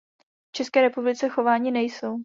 V České republice chováni nejsou.